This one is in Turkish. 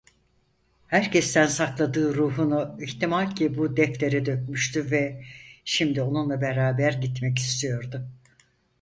Herkesten sakladığı ruhunu ihtimal ki bu deftere dökmüştü ve şimdi onunla beraber gitmek istiyordu.